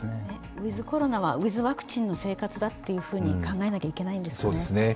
ウィズ・コロナはウィズ・ワクチンの生活だと考えなきゃいけないんですね。